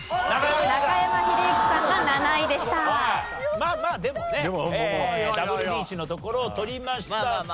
まあまあでもねダブルリーチのところを取りました。